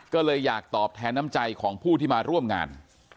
ก็เลยอยากตอบแทนน้ำใจของผู้ที่มาร่วมงาน